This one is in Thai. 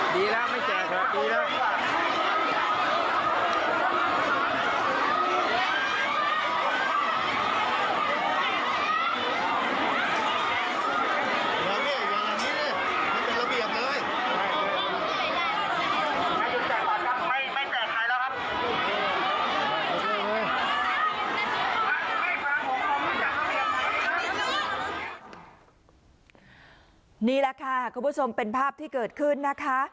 นี่แหละค่ะคุณผู้ชมเป็นภาพที่เกิดขึ้นนะคะ